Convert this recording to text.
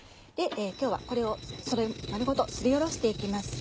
今日はこれを丸ごとすりおろして行きます。